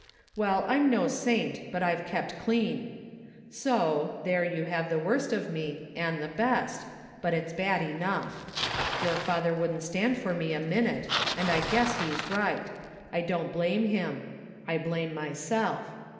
Well, I'm no saint, but I've kept clean ! So— there you have the worst of me — ^and the best — but it's bad enough. Your father wouldn't stand for me a minute, and I guess he's right. I don't blame him. I blame myself.